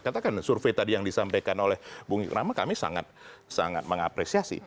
katakan survei tadi yang disampaikan oleh bung rama kami sangat mengapresiasi